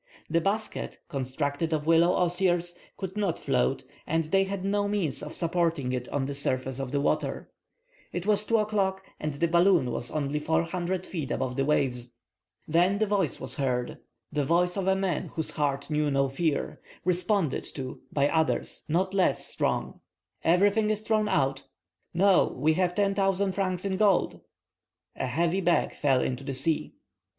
The basket, constructed of willow osiers, could not float, and they had no means of supporting it on the surface of the water. It was 2 o'clock, and the balloon was only 400 feet above the waves. Then a voice was heard—the voice of a man whose heart knew no fear—responded to by others not less strong:— "Everything is thrown out?" "No, we yet have 10,000 francs in gold." A heavy bag fell into the sea.